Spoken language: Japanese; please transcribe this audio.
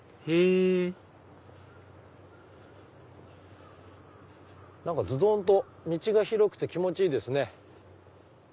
へぇ何かズドン！と道が広くて気持ちいいですね。